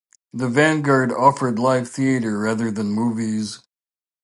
The Vanguard offered live theater rather than movies.